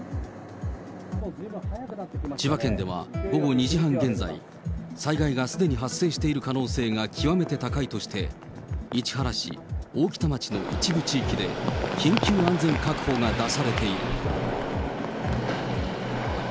千葉県では午後２時半現在、災害が既に発生している可能性が極めて高いとして、市原市、おおきた町の一部地域で緊急安全確保が出されている。